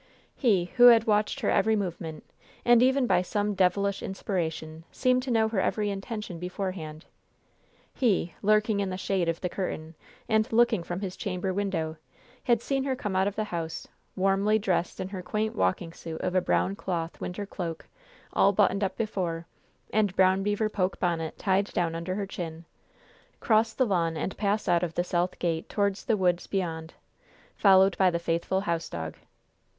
He, who had watched her every movement, and even by some devilish inspiration seemed to know her every intention beforehand he, lurking in the shade of the curtain, and looking from his chamber window, had seen her come out of the house, warmly dressed in her quaint walking suit of a brown cloth winter cloak "all buttoned up before," and brown beaver poke bonnet tied down under her chin, cross the lawn and pass out of the south gate toward the woods beyond followed by the faithful house dog.